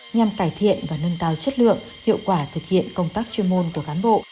nhằm cải thiện và nâng cao chất lượng hiệu quả thực hiện công tác chuyên môn của cán bộ